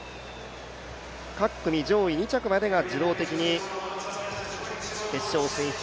各組上位２着までが自動的に決勝進出。